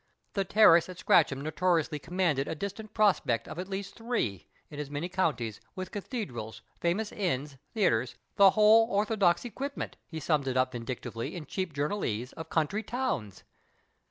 The terrace at Scratchem notoriously commanded a distant prospect of at least three, in as many counties, with cathedrals, famous inns, theatres — the whole orthodox equipment, he summed it up vindictively in cheap journalese, of country towns.